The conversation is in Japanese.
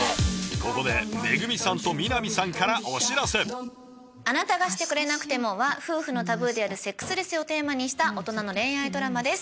ここで「あなたがしてくれなくても」は夫婦のタブーであるセックスレスをテーマにした大人の恋愛ドラマです。